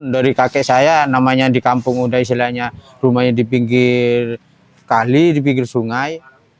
dari kakek saya namanya di kampung udah istilahnya rumahnya di pinggir kali di pinggir sungai